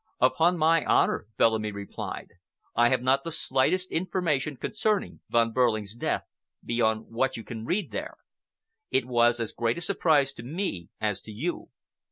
"Upon my honor," Bellamy replied, "I have not the slightest information concerning Von Behrling's death beyond what you can read there. It was as great a surprise to me as to you."